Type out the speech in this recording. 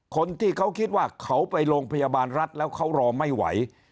คนที่เขาคิดว่าเขาไปโรงพยาบาลรัฐแล้วเขารอไม่ไหว